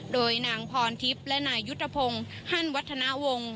โดยนางพรทิพย์และนายยุทธพงศ์ฮั่นวัฒนาวงศ์